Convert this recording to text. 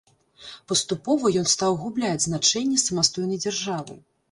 Паступова ён стаў губляць значэнне самастойнай дзяржавы.